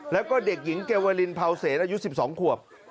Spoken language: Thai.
แล้วก็เด็กหญิงเกวลินเผาเสนอายุ๑๒ขวบ